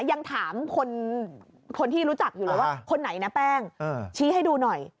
ยังถามคนที่รู้จักอยู่เลยว่าคนไหนนะแป้งชี้ให้ดูหน่อย